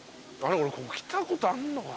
俺ここ来たことあんのかな。